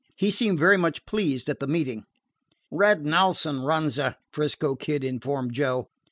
He seemed very much pleased at the meeting. "Red Nelson runs her," 'Frisco Kid informed Joe.